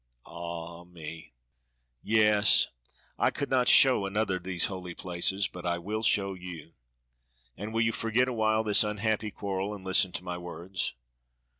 Ah me! Yes! I could not show another these holy places, but I will show you." "And will you forget awhile this unhappy quarrel and listen to my words?"